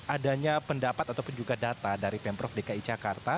adanya pendapat ataupun juga data dari pemprov dki jakarta